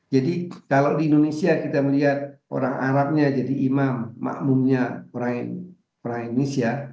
jadi kalau di indonesia kita melihat orang arabnya jadi imam makmumnya orang indonesia